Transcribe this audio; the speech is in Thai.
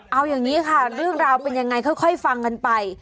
เอาอย่างนี้ค่ะเรื่องราวเป็นยังไงค่อยฟังกันไป